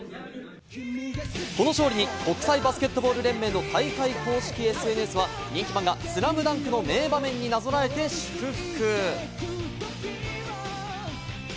この勝利に国際バスケットボール連盟の大会公式ＳＮＳは、人気漫画『ＳＬＡＭＤＵＮＫ』の名場面になぞらえて祝福。